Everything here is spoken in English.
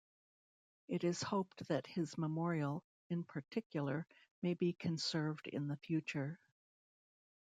It is hoped that his memorial, in particular, may be conserved in the future.